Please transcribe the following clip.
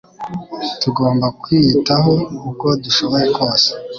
tugomba kwiyitaho uko dushoboye kose